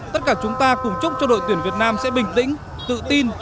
tất cả chúng ta cùng chúc cho đội tuyển việt nam sẽ bình tĩnh tự tin